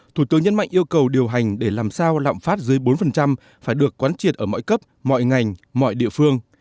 thủ tướng nhấn mạnh yêu cầu điều hành để làm sao lạm phát dưới bốn phải được quán triệt ở mọi cấp mọi ngành mọi địa phương